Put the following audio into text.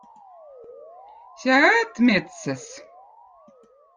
siä õõd mettsez